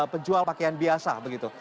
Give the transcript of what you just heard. pejual pakaian biasa begitu